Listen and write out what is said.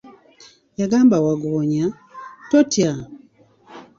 Yagamba Waggoonya, totya.